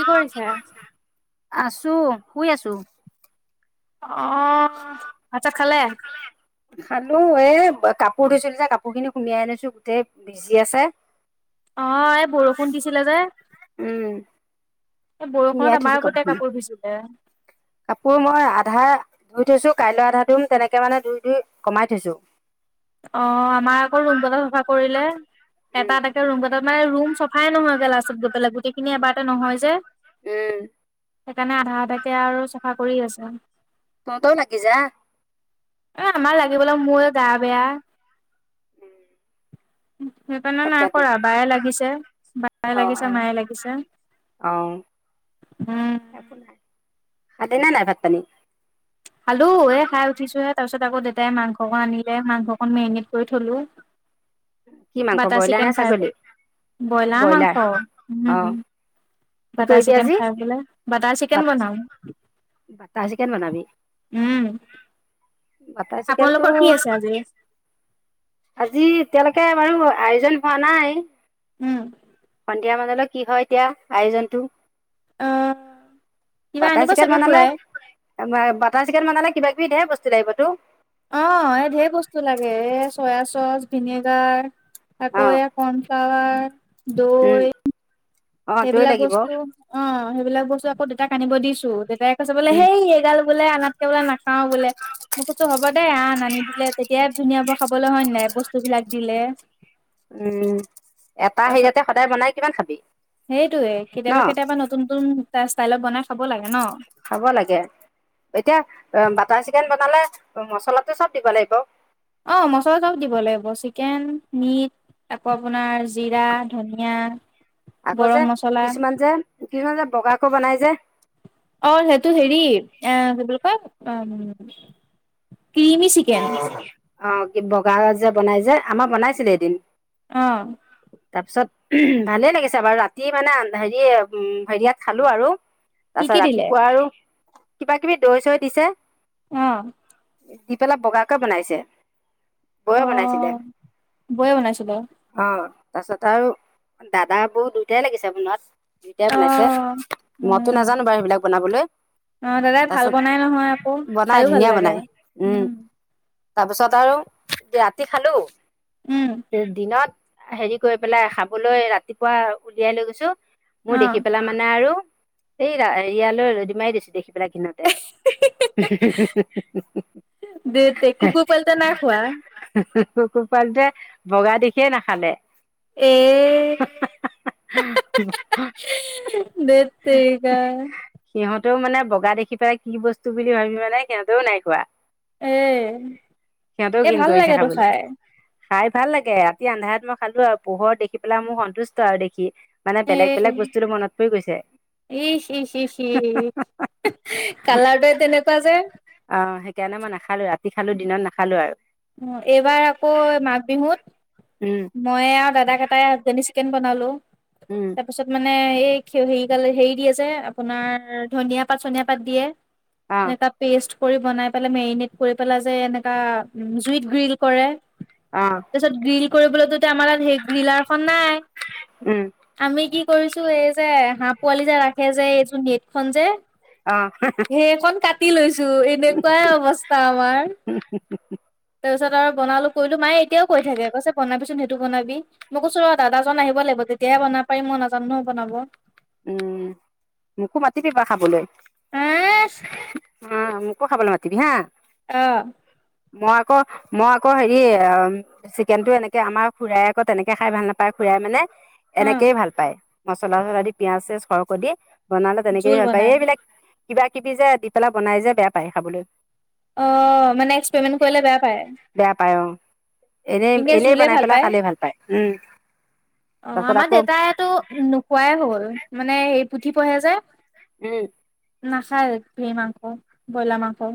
কি কৰিছা? আছো শুই আছো। অ ভাত চাত খালে? খালো এ কাপোৰ ধুইছিলোঁ যে কাপোৰ খিনি সোমোৱাই আনিছো গোটেই ভিজি আছে। অহ, এই বৰষুণ দিছিলে যে। এই বৰষুণত ওলাই আমাৰ থৈছো কাপোৰ গোটেই ভিজিলে। খিনি। কাপোৰ মই আধা ধুই থৈছো কাইলৈ আধা ধুম তেনেকে মানে ধুই ধুই কমাই থৈছো। অ আমাৰ আকৌ ৰুম কেইটা চাফা কৰিলে উম এটা এটাকে ৰুম কেইটাত মানে ৰুম চ চফাই নহয়গে লাষ্টত গৈ পেলাই গোটেইখিনি এবাৰতে নহয় যে। উম সেইকাৰণে আধা আধাকে আৰু চাফা কৰি আছো। তহঁতৰো লাগি যা। এ আমাৰ লাগিবলৈ মোৰ গা বেয়া। সেইকাৰণে নাই তাকেতো কৰা বায়ে লাগিছে, বায়ে অ লাগিছে, মায়ে লাগিছে। অ অ উম। একো নাই। খালি নে নাই ভাত পানী? খালো এ খাই উঠিছোহে তাৰ পিছত আকৌ দেউতাই মাংস অকন আনিলে মাংসকন মেৰিনেট কৰি থ'লো। কি [inaudible] মাংস বাটাৰ ব্ৰইলাৰ নে চিকেন ফ্ৰাই ছাগলী? কল, ব্ৰইলাৰ মাংস অ উম। কি বাটাৰ কৰিবি চিকেন আজি? খাই বোলে, বাটাৰ চিকেন বনাও। বটাৰ চিকেন বনাবি? বাটাৰ চিকেনটো আপোনালোকৰ কি আছে আজি আজি এতিয়ালৈকে বাৰু আয়োজন হোৱা নাই উম সন্ধিয়া মানলৈ কি হয় এতিয়া আয়োজনটো। কিবা বাটাৰ আনিব চিকেন চাগে বনালে, খুৰাই বাটাৰ চিকেন বনালে কিবা কিব বি ধেই বস্তু লাগিবতো। অ এই ধেই বস্তু লাগে। এ চয়া-চচ, ভিনেগাৰ অ আকৌ এই কৰ্ণফ্লৰ, উম দৈ। অ দৈ সেইবিলাক লাগিব বস্তু অ সেইবিলাক বস্তু আকৌ দেউতাক আনিব দিছো দেতাইক কৈছে বোলে উম হেই এইগাল বোলে আনাতকে বোলে নাখাও বোলে। মই কৈছো হ'ব দে আন আনি দিলে তেতিয়াহে ধুনীয়া হ'ব খাবলে হয় নাই বস্তুবিলাক দিলে। উমজ এটা তাৰ পিছত হেটাতে সদায় বোনাই কিমান খাবি। সেইটোয়ে ন কেতিয়াবা কেতিয়াবা নতুন-নতুন ষ্টাইলত বনাই খাব লাগে ন। খাব লাগে। এতিয়া বাটাৰ চিকেন বনালে মচলাটো চব দিব লাগিব। অ' মছলা চাব দিব লাগিব চিকেন, মিট আকৌ আপোনাৰ জিৰা, ধনিয়া। আকৌ গৰম যে মছলা কিছুমান, যে কিছুমান যে বগাকে বনাই যে। অ' সেইটো হেৰি অহ কি বুলি কয় উ, ক্ৰিমি চিকেন। অ' কি বগা যে বনাই যে আমাৰ বনাইছিলে এদিন। অহ, তাৰ পিছত ভালে লাগিছে বাৰু ৰাতি মানে হেৰি উ হেৰিয়াত খালো আৰু। কি কি তাৰপাছত দিলে ৰাতিপুৱা আৰু কিবা কিবি দৈ চৈ দিছে। অহ দি পেলাই বগাকে বনাইছে। বৌ এ অ বনাইছিলে বৌয়ে বনাইছিলে অহ, তাৰ পিছত আৰু দাদ-বৌ দুয়োটাই লাগিছে বনোৱাত। দুইটাই অ বনাইছে মইতো উম নাজানো বাৰু সেইবিলাক বনাবলে। অ দাদাই ভাল তাৰপিছত বনাই নহয় আকৌ বনাই খাইও ভাল ধুনীয়া লাগে বনাই। উম, তাৰপিছত আৰু ৰাতি খালো উম দিনত, হেৰি কৰি পেলাই খাবলৈ ৰাতিপুৱা উলিয়াই লৈ গৈছো মোৰ অ দেখি পেলাই মানে আৰু এই ইয়ালৈ ৰদি মাৰি দিছো দেখিবিলে ঘিনতে। দে তে কুকুৰ পোৱালিটো নাই খোৱা। কুকুৰ পোৱালিতে বগা দিখিয়ে নাখালে। এ ধেৎ কেৰিকা। সিহঁতেও মানে বগা দেখি পেলাই কি বস্তু বুলি ভাবি মানে সিহঁতেও নাইকোৱা। এ-এ ঘিণ ভাল কৰিছে লাগেতো খাবলৈ। খাই। খাই ভাল লাগে ৰাতি আন্ধাৰাত মই খালো আৰু পোহৰ দেখি পেলাই মোৰ সন্তুষ্ট আৰু দেখি। মানে বেলেগ-বেলেগ বস্তুটো মনত পৰি গৈছে। ই স সি-সি কালাৰটোৱে তেনেকুৱা যে। অ সেইকাৰণে মই নাখালো ৰাতি খালো দিনত নাখালো আৰু। এইবাৰ আকৌ মাঘ বিহুত উম মই আৰু দাদাক এটাই হানী [unintelligible] চিকেন বনালো, উম তাৰপিছত মানে মানে এই হেৰিল হেৰি দিয়ে যে আপোনাৰ ধনিয়া পাত চনিয়া পাত দিয়ে। অ এনেকা পেষ্ট বনাই পেল মেৰিনেট কৰি পেলাই যে এনেকা জুইত গ্ৰীল কৰে। অ তাৰপিছত গ্ৰিল কৰিবলৈতো য়া আমাৰ ত সেই গ্ৰিলাৰ খন নাই উম আমি কি কৰিছো এই যে হাঁহ পোৱালি যে ৰাখে যে এইযোৰ নেট খন যে অ'। তি লৈছো এনেকুৱাই অৱস্থা আমাৰ। তিছত আৰু বনালো কলো মায়ে এতিয়াও কৈ থাকে কৈছে বনাবিচোন সেইটো বনাবি, মই কৈছো ৰ দাদাজন আহিব লাগিব। তেতিয়াই বনাব পাৰিম মই নাজানো নহয় বনাব। উম মোকো মাতিবি এইবাৰ খাবলৈ। আহ অ', মোক কো খাবলৈ মাতিবি হা। অ'। মই আকৌ মই আকৌ হেৰি অ' চিকেন টো এনেকে আমাৰ খুড়াই আকৌ তেনেকে খাই ভাল নাপায়। খুড়াই মানে অ এনেকেই ভাল পায় মচলা চছলা দি পিয়াজ চ সৰকে দি। ব'নালে জোল তেনেকেই ভাল পায় বনাই এইবিলাক কিবা কিবি যে দি পেলাই বনাই যে বেয়া পায় খাবলৈ। অ' মানে এক্সপেৰিমেণ্ট কৰিলে বেয়া পায়। বেয়া পায় অ এনেই এনে এনেই জোলে বনাই ভাল পেলাই খালে ভাল পায় উম। অ', তাৰপিছত আমাৰ আকৌ দেতাইটো নোখোৱাই হ'ল মানে সেই পুথি পঢ়ে যে। উম। নাখায় ঘ মাংস ব্ৰইলাৰ মাংস।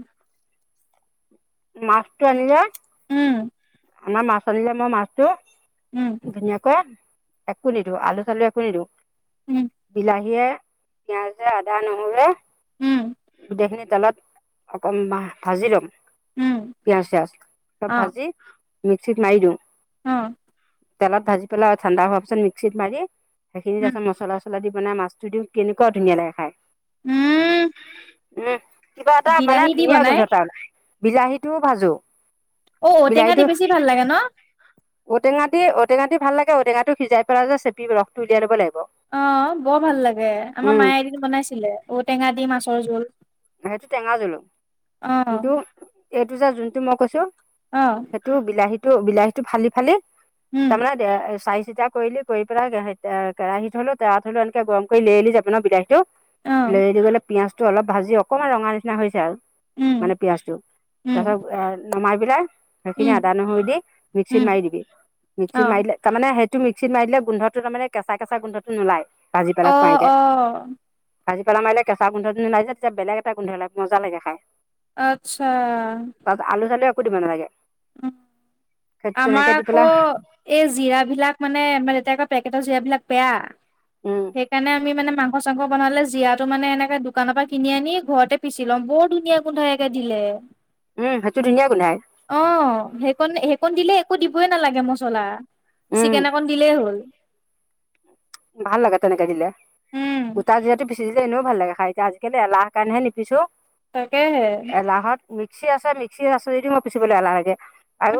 মাছটো আনি যে উম। আানা মাছ আনিলে মই মাছটো উম ধুনীয়াকৈ একো নিদিওঁ আলু চালু একো নিদিওঁ উম বিলাহীয়ে, পিয়াজে আদা নহৰুৱৈ উম গোটেইখিনি। তেলত অকণাহ ভাজি ল'ম, উম পিয়াজ চিয়াজ চব অ ভাজি মিক্সিত মাৰি দিওঁ। অ'। তেলত ভাজি পেলাই ঠাণ্ডা হোৱাৰ পিছ মিস্কিত মাৰি সেইখিনি উম পাছত মছলা চছলা দি মানে মাছটো দিওঁ কেনেকুৱা ধুনীয়া লাগে খায়। উম। উম কিবা এটা মানে বিলাহী দি ধুনীয়া বনাই গোন্ধ এ তাৰ বিলাহীটোও ভাজো। অ', ঔ টেঙা দি বেছি ভাল লাগে ন'। ঔটো দি ঔটেঙা দি ভাল লাগ ঔটেঙাটো সিজাইেলাই যে চেপি ৰস উলিয়াই ল'ব লাগে। অ', বৰ ভাল লাগে আমাৰ উম মায়ে এদিন বনাইছিলে ঔটেঙা দি মাছৰ জোল। সেইটো টেঙা জুলো অ কিন্তু এইটো যে যোনটো মই কৈছো। অ সেইটো বিলাহীটো বিলাহীটো ফালি ফালি উম তাৰমানমানে চাই, চিতা কৰিল কৰি পেলাই কেৰাহী হলো তেৰা থলো এনেকে গৰম কৰি লৈলি যাব ন বিলাহীটো অ লেৰেলি গ'লে পিঁয়াজটো অল ভাজি অকমান ৰঙা নিচিনা হৈছে আৰু। উম মানে পিয়াজটো তাৰ উম পাছত এ নমাই পেলাই, সেইখিনি উম আদা নহৰু দি মিক্সিত উম মাৰি দিবি অ মিক্সিত মাৰিলে তাৰমানে টো মিক্সিত মাৰ দিলে গোন্ধটো তাৰমানে কেঁচা কেঁচা গোন্ধটো নোলাই ভাজি অ পেলাই মাৰিলে। অ কাজি পেলা মিলে কেঁচা গোন্ধটো নোলাই যে তেতিয়া বলেগ এটা গোন্ধওাই মজা লাগে খাই। আত্ছা। এখো দিব নালিগে। আহ। আমাৰ আকৌ পেলাই এই জিৰাবিলাক মানে এতিয়া আকৌ পেকেটৰ জিৰাবিলাক উম বেয়া। সেইকাৰণে আমি মানে মাংস চাংস বনালে জীয়াৰটো মানে এনেকে দোকানৰ পৰা কিনি আনি ঘৰতে পিচি লওঁ, বৰ ধুনীয়া গোন্ধই একে দিলে। টে উম সেইটো ধুনীয়া গোন্ধাই অ' সেইকণ, সেইকণ দিলে একো দিবই নালাগে মছলা। উম চিকেন অ'কন দিলেই হ'ল। ভাল লাগে, তেনেকে দিলে উম গোটা জিয়াৰটো পিছি দিলে। এনেও ভাল লাগে খাই কে আজিকালি এলাহ কাৰণে নিপিছোঁ। তাকেহে। মিক্সি আছে, মিক্সি আছে যদিও মই পিচিবলৈ এলাহ লাগ। আৰু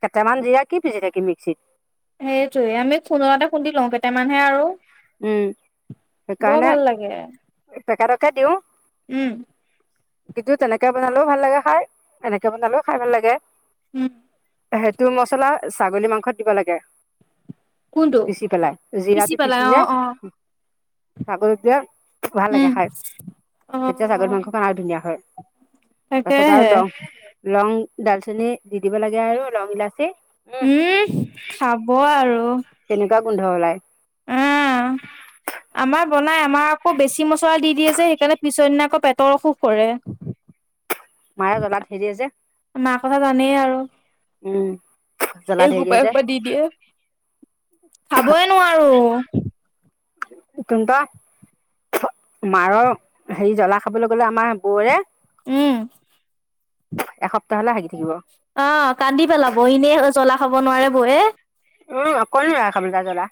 কেইটামান জিৰা কি পিজি থাকিম মিক্সিত। সেইটোয়ে, আমি খুন্দনাতে খুন্দি লওঁ, কেইটামানহে আৰু উম বৰ সেইকাৰণে ভাল লাগে। পেকেটকে দিওঁ। উম। কিন্তু তেনেকে বনালেও ভাল লাগে খাই। এনেকে বনালেও খাই ভাল লাগে। উম। হেইটো মছলা ছাগলী মাংসত দিব লাগে। কোনটো পিচি পেলাই, জিৰাটো পিচি পেলাই অ যে অ ছাগলিত দিলে ভাল লাগে উম খাই। অ তেতিয়া ছাগলী মাংসকন আৰু ধুনীয়া হয়। পাছত আৰু তাকেহে লং-লং, ডালচেনি দি দিব লাগে আৰু লং, ইলাচি উম, খাব আৰু! তেনেকুৱা গোন্ধ ওলায় অ'। আমাৰ বনাই। আমাৰ আকৌ বেছি মছলা দি দিয়ে যে সেইকাৰণে পিছৰ দিনা আকৌ পেটৰ অসুখ কৰে। [inaudible] মায়ে জ্বলা ধেৰ দিয়ে যে মাৰ কথা জানেই আৰু। উম জ্বলা ধেৰ দিয়ে যে এসোপা-এসোপা দি দিয়ে, খাবই নোৱাৰো। [unintelligible] মাৰৰ হেৰি জ্বলা খাবলৈ গ'লে আমাৰ বৌৰে উম। এসপ অ', কান্দি পেলাব। এনেই জ্বলা খাব নোৱাৰে বৌয়ে। উম অকনো নোৱাৰে খাবলৈ তাই জলা।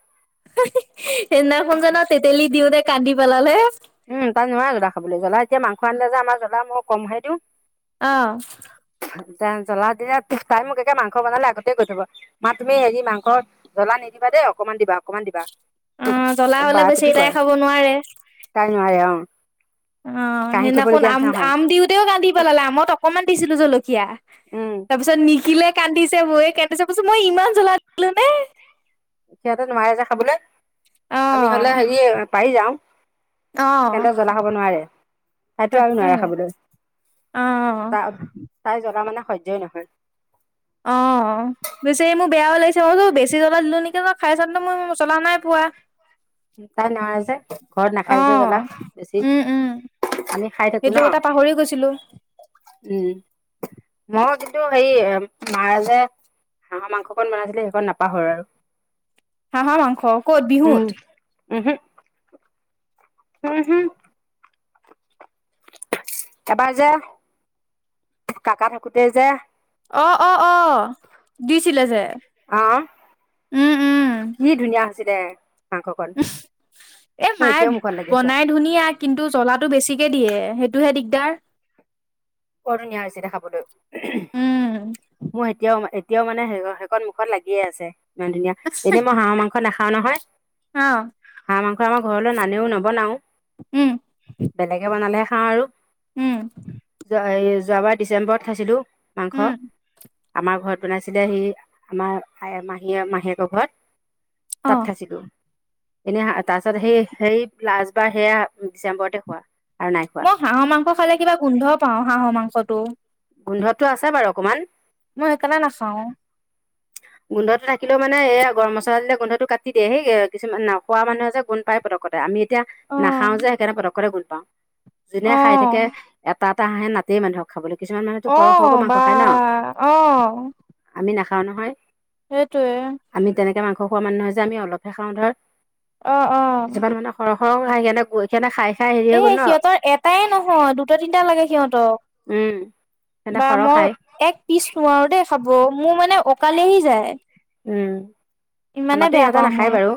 সেই দিনা খন জানা তেতেলী দিও তে কান্দি পেলালে। উম তাই নোৱাৰে জ্বলা খাবলৈ জ্বলা এতিয়া মাংস আনিলে যে আমাৰ জ্বলা মই কমহে দিওঁ। আহ। জ্বলা দিলে তাই মোক একে মাংস বনালে আগতে গৈ থব মা তুমি হেৰি মাংস জলা নিদিবা দেই। অকমান দিবা অকমান দিবা অ জ্বলা হলে বাৰে বেছি প্ৰতি তাই কয়। খাব নোৱাৰে তাই নোৱাৰে অ'। অ' কাঢ়ি সেইদিনাখনো থবলগীয়া আম নিচিনা হয় আম দিওঁতেও কান্দি পেলালে আমত অকনমান দিছিলো জলক এতিয়া উম তাৰ পিছত নিখিলে কান্দিছে বৌয়ে কান্দিছে, পাছত মই ইমান জ্বলা দিলো নে? সিহঁতে নোৱাৰে যে খাবলৈ অ আমি হ'লে হেৰি পাৰি যাওঁ। অ সিহঁতে জ্বলা খাব নোৱাৰে, তাইতো আৰু নোৱাৰে তাকেহে খাবলৈ। অ তাই জ্বলা মানে সহ্য য়ে নহয়। অ' বেচেৰি এই মোৰ বেয়া ও লাগিছে বেছি জ্বলা দিলো নেকি ন খাই চাওতে মই জ্বলা নাই পোৱা। বা তাই নোৱাৰে যে ঘৰত নাখাই যে জ্বলা বেছি। উম উম আমি খাই থাকো সেইটো ন, কথা পাহৰি গৈছিলো উম মই তোৰ হেৰি মাইয়ে যে হাঁহৰ মাংসকণ বনাইছিলে সেইকণ নাপাহৰো আৰু। হাঁহৰ মাংস। ক'ত বিহুত। উমহু উম হম এবাৰ যে কাকা থাকোতে যে অ অ অ দিছিলে যে অ উম, কি ধুনীয়া হৈছে দে উ এ মায়ে মুখত লাগি আছে বনাই ধুনীয়া কিন্তু জলাটো বেছিকে দিয়ে সেইটোহে দিগদাৰ বৰ ধুনীয়া হৈছে এতিয়া খাবলৈ মোৰ এতিয়াও এতিয়াও মানে সেইকণ মুখত লাগিয়ে আছে ইমান ধুনীয়া এনেই মই হাঁহৰ মাংস নাখাও নহয় অ', হাঁহ মাংস আমাৰ ঘৰলৈ নানেও নবনাও উম, বেলেগে বনালেে চাৰ উম যোৱাবাৰ ডিচেম্বৰত খাইছিলো মাংস উম, আমাৰ ঘৰত বনাইছিলে সি আমাৰ মাহীয়ে মাহীয়েকৰ ঘৰত তাত অ', খাচ গো এনে তাৰ পিছত সেই সেই লাষ্টবাৰ সেয়া ডিচেম্বৰতে হোৱা মই হাঁহৰ মাংস খালে কিবা গোন্ধ পাওঁ হাঁহৰ মাংসটো গোন্ধতটো আছে বাৰু অকণমান মই সকাৰণে নাচাও গোন্ধটো থাকিলেওানেয়া গৰম মছলা দিলে গোন্ধটো কাটি দিয়েেইে কিছুমান ন খোৱা মানুহে যে গোন্ পায় পকতে আমি তেতিয়া নাখাও অ', যে সেইকাৰণে পতকৰে গোল পাওঁ যোনে খাই থাকে অ', এটা এটা হাঁহে নাই মানুহক খাবলৈ কিছুমান মানুহেতো সৰহ সৰহকৈ অ', মাংস বা খায় ন অ', আমি নাখাওঁ নহয় সেইটোৱে ঘ খোৱা মানুহ যে আমি অলপহে খাওঁ ধৰ আহ আহ খ স কেনে সেনে খাই খাই হেৰি এ হৈ গ'ল ন সিহঁতৰ এটাই নহয় দুটা তিনিটা লাগাইছে উম, সিহঁতে বা সৰহ মই খায় এক পিচ নোৱাৰো দেই খাব মোৰ মানে অকালেহি যায় ইমানে আমাৰো বেয়া ইহঁতে পাওঁ নাখায় মই বাৰু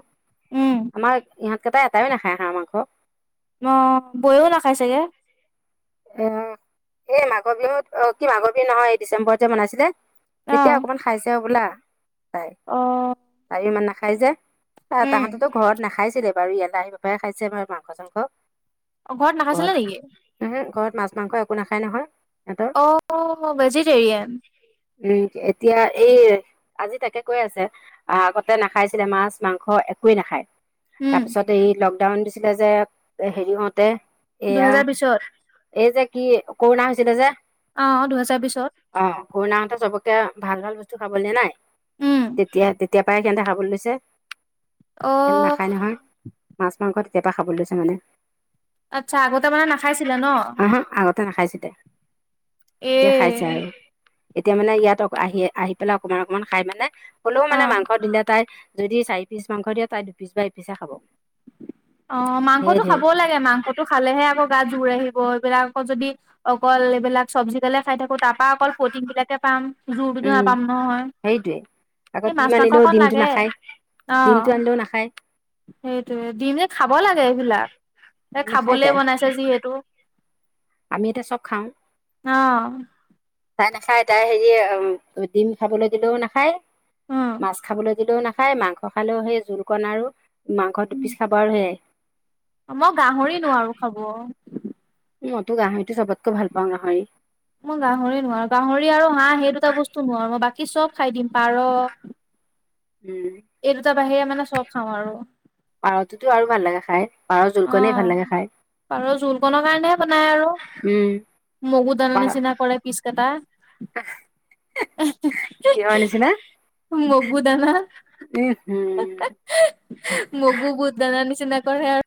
উম আমাৰ ইহত কটাাই এটাাই না খাই খা আমা খ অ বৈও নাখাই চাগে অ এই মাঘৰ বিহুত অ কি মাঘৰ বিহু নহয় এই ডিচেম্বৰ যে বনাইছিলে অ তেতিয়া অকমান খাইছে বোলা চাই অ তাই ইমান নাখাই যে আহ উম তাহাঁততো ঘৰত নাখাইছিলে বাৰু ইয়লাহিব ব পৰাে খাইছে আমাৰ মাংস চাংস অ ঘৰত নাখাইছিলে নেকি ঘৰত মাছ মাংস একো নাখাই নহয় সিহঁতৰ অ ভেজিটেৰিয়ান উম এতিয়া এই আজি তাকে কৈ আছে আগতে নাখাইছিলে মাছ মাংস একোৱেই নাখায় উম তাৰপিছত এই লকডাউন দিছিলে যে হেৰি হওঁতে এয়া দুহেজাৰ বিশত এই যে কি কৰোণা হৈছিলে যে অ দুহেজাৰ বিশত অ কৰোণা হতে চবকে ভাল ভাল বস্তু খাবলৈ নাই উম তেতিয়া তেতিয়া পৰাায় কেনেে খাবলৈ লৈছে অ নাখায় নহয় মাছ মাংস তেতিয়াৰ পৰাা খাবলৈ লৈছে মানে আচ্ছা আগতে মানে নাখাইছিলা ন আহ হা আগতে নাখাইছো দে এ এতিয়া খাইছে আৰু এতিয়া মানে ইয়াত আহি আহি পেলাই অকমান অকমান খাই মানে হলেও মানে অ মাংস দিলে তাই যদি চাৰি পিচ মাংস দিয়ে তাই দুপিচ বা এ পিচে খাব অ সেই মাংসটো ধেৰ খাবও লাগে মাংসটো খালেহে আকৌ গাত জোৰ আহিব বিলাকত যদি অকল এইবিলাক চব্জিডালে খাই থাকো তাৰ পৰাা অকল প্ৰ'টিন বিলাকে পাম জোৰটোতো উম নাপাম নহয় সেইটোৱে আকৌ এই ডিম মাছ আনিলেও মাংসকণ ডিমটো লাগে নাখায় আহ ডিমটো আনিলেও নাখায় সেইটোয়ে দিম যে খাব লাগে এইবিলাক এই নাখায় খাবলে তাই বনাইছে যিহেতু আমি এতিয়া চব খাওঁ অ' তাই নাখায় তাই হেৰি ডিম খাবলৈ দিলেও নাখায় উম। মাছ খাবলৈ দিলেও নাখায় খাই মাংস খালেও সেই জোলকণ আৰু মাংস দুপিচ খাব আৰু সেয়াই মই গাহৰি নোৱাৰো খাব মইতো গাহৰিতটো চবতকৈ ভাল পাওঁ গাহৰি মই গাহৰি নোৱাৰো গাহৰি আৰু হাঁহ সেই দুটা বস্তু নোৱাৰো মই বাকী াক কি চব খাই দিম পাৰ উম এই দুটা বাহিৰে মানে চব খাওঁ আৰু পাৰততো আৰু ভাল লাগে খাই পাৰৰ অ জোলকণেই ভাল লাগে খাই পাৰ জোলকণনৰ কাৰণেহে বনাই আৰু উম মগু দানান নিচিনা কৰে পিছ কেটা উ কিহৰ নিচিনা মগু দানা উম। মগু বহুত দানা নিচিনা কৰে আৰু